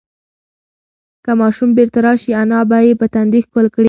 که ماشوم بیرته راشي، انا به یې په تندي ښکل کړي.